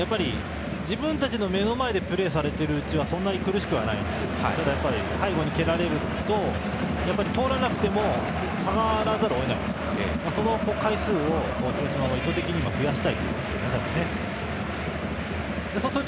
やっぱり自分たちの目の前でプレーされているうちはそんなに苦しくないんですが背後に蹴られると通らなくても下がらざるを得ないのでその回数を、広島は意図的に増やしたいんでしょうね。